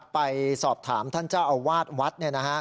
ไปสอบถามท่านเจ้าอาวาสวัด